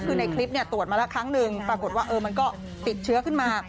คือในคลิปตรวจมาแล้วครั้งหนึ่งปรากฏว่ามันก็ติดเชื้อขึ้นมา